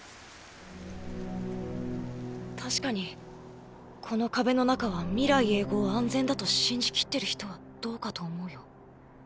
確かにこの壁の中は未来永劫安全だと信じきってる人はどうかと思うよ。